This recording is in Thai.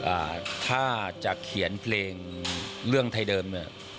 พระองค์ครับถ้าจะเขียนเพลงเรื่องไทยเดิม